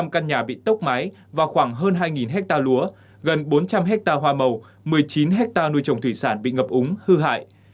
sáu mươi năm căn nhà bị tốc máy và khoảng hơn hai ha lúa gần bốn trăm linh ha hoa màu một mươi chín ha nuôi trồng thủy sản bị ngập úng hư hại